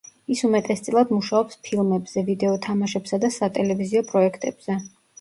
ის უმეტესწილად მუშაობს ფილმებზე, ვიდეო თამაშებსა და სატელევიზიო პროექტებზე.